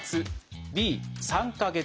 Ｂ３か月後。